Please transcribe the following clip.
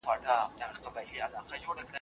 دولت باید د قحطۍ ځپلو سره مرسته وکړي.